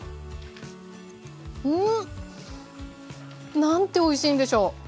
うん！なんておいしいんでしょう！